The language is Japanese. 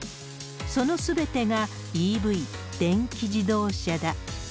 そのすべてが、ＥＶ・電気自動車だ。